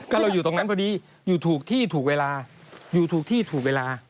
ก็เราอยู่ตรงนั้นพอดีอยู่ถูกที่ถูกเวลา